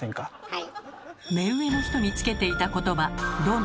目上の人につけていたことば「殿」。